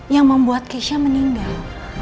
yang membuat kesha meninggal